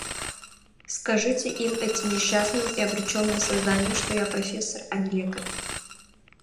Скажите им, этим несчастным и обречённым созданиям, что я профессор, а не лекарь.